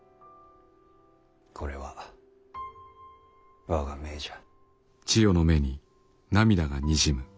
これは我が命じゃ。